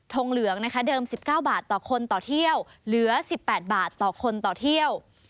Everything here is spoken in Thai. งเหลืองนะคะเดิม๑๙บาทต่อคนต่อเที่ยวเหลือ๑๘บาทต่อคนต่อเที่ยว